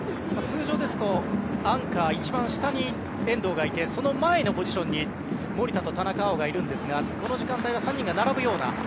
通常ですとアンカー一番下に遠藤がいてその前のポジションに守田と田中碧がいるんですがこの時間帯は３人が並ぶような。